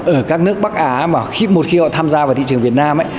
ở các nước bắc á một khi họ tham gia vào thị trường việt nam